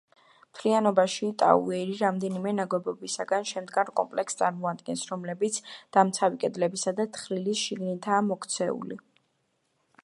მთლიანობაში, ტაუერი რამდენიმე ნაგებობისგან შემდგარ კომპლექსს წარმოადგენს, რომლებიც დამცავი კედლებისა და თხრილის შიგნითაა მოქცეული.